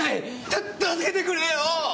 た助けてくれよぅ！